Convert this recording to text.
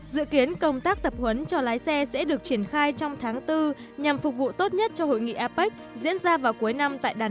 dự kiến công tác tập huấn cho lái xe sẽ được triển khai trong tháng bốn nhằm phục vụ tốt nhất cho hội nghị apec diễn ra vào cuối năm tại đà nẵng